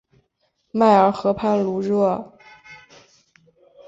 迈尔河畔卢热。